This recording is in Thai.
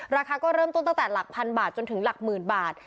ราคาก็เริ่มต้นตั้งแต่หลักพันบาทจนถึงหลักหมื่นบาท